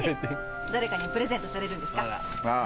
誰かにプレゼントされるんですか？